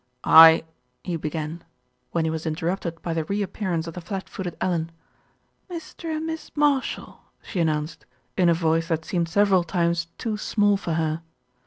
"I " he began, when he was interrupted by the re appearance of the flat footed Ellen. "Mr. and Miss Marshall," she announced, in a voice that seemed several times too small for her.